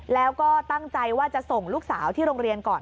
แล้วก็ตั้งใจว่าจะส่งลูกสาวที่โรงเรียนก่อน